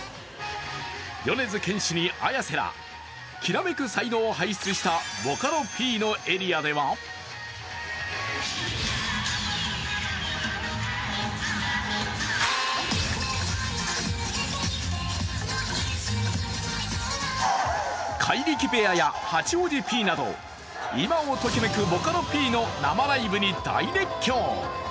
米津玄師にＡｙａｓｅらきらめく才能を輩出したエリアでは怪力ベアや八王子Ｐなど今をときめくボカロＰの生ライブに大絶叫。